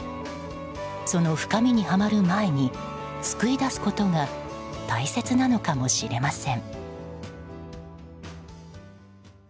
その深みにはまる前に救い出すことが大切なのかもしれません。